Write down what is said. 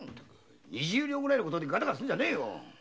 二十両くらいでガタガタするんじゃねぇよ。